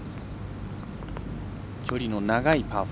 距離の長いパー４。